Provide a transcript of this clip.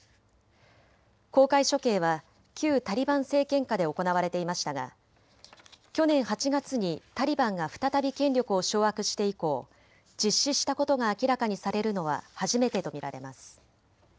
公開処刑は旧タリバン政権下で行われていましたが去年８月にタリバンが再び権力を掌握して以降、実施したことが明らかにされるのは初めてと見られます。